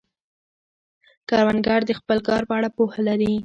کروندګر د خپل کار په اړه پوهه لري